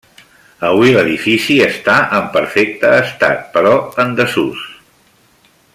Avui l'edifici està en perfecte estat, però en desús.